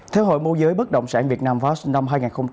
theo hội mô giới bất động sản việt nam vasc năm hai nghìn hai mươi ba